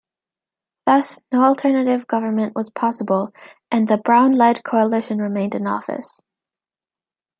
Thus, no alternative government was possible, and the Braun-led coalition remained in office.